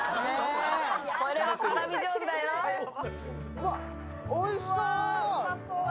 うわ、おいしそう！